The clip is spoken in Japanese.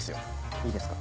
いいですか？